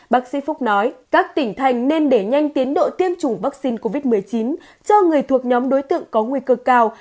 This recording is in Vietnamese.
bác sĩ phúc nói các tỉnh thành nên để nhanh tiến độ tiêm chủng vaccine covid một mươi chín cho người thuộc nhóm đối tượng có nguy cơ cao